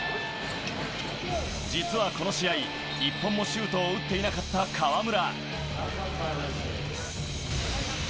実はこの試合、１本もシュートを打っていなかった河村。